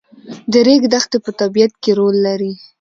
د ریګ دښتې په طبیعت کې رول لري.